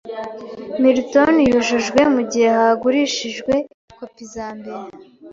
Milton yujujwe mugihe hagurishijwe kopi za mbere.